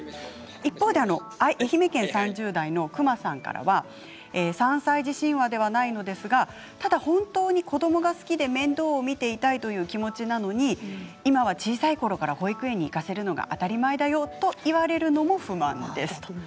一方で愛媛県３０代の方は３歳児神話ではないのですがただ本当に子どもが好きで面倒を見ていたいという気持ちなのに今は小さいころから保育園に行かせるのが当たり前だよと言われるのが不満ですと。